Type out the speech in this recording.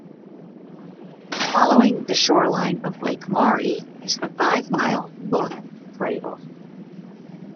Following the shoreline of Lake Maury is the five-mile Noland Trail.